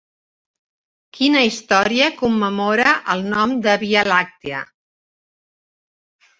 Quina història commemora el nom de Via làctia?